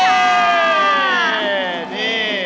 เย่นี่